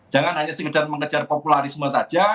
jangan hanya segedar mengejar populerisme saja